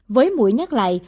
với mũi nhắc lại